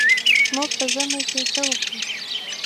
موږ په ژمي کې څه وکړو.